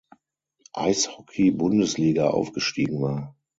Eishockey-Bundesliga aufgestiegen war.